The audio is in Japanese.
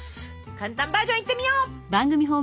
簡単バージョンいってみよう！